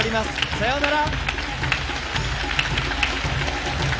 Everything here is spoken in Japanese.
さようなら。